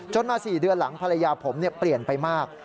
มา๔เดือนหลังภรรยาผมเปลี่ยนไปมาก